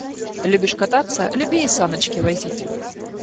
Любишь кататься, люби и саночки возить!